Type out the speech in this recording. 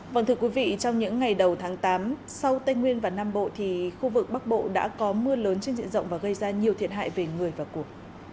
vâng thưa quý vị trong những ngày đầu tháng tám sau tây nguyên và nam bộ thì khu vực bắc bộ đã có mưa lớn trên diện rộng và gây ra nhiều thiệt hại về người và cuộc